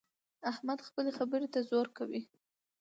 احمد خپلې خبرې ته زور کوي.